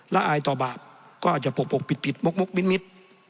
ละอายต่อบาปก็อาจจะโผกโผกปิดปิดมกมกมิดมิด